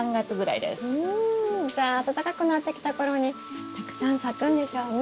うんじゃあ暖かくなってきた頃にたくさん咲くんでしょうね。